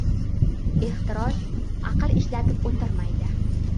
Ehtiros aql ishlatib o‘tirmaydi.